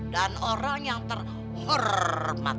dan orang yang terhormat